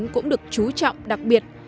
cũng được chú trọng đặc biệt